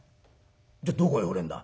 「じゃあどこへほれんだ？」。